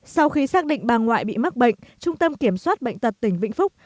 sau khi xác định bà ngoại bị mắc bệnh trung tâm kiểm soát bệnh tật tỉnh vĩnh phúc